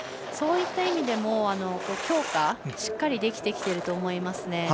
そういった意味でも強化、しっかりできてきていると思いますね。